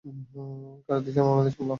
কাথির্সান, উনাদের সামলাও।